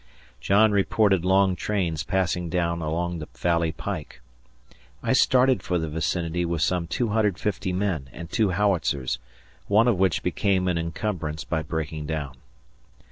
John reported long trains passing down along the valley pike. I started for the vicinity with some 250 men and two howitzers, one of which became an encumbrance by breaking down.